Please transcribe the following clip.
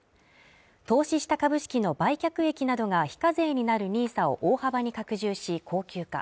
投資した株式の売却益などが非課税になるＮＩＳＡを大幅に拡充し恒久化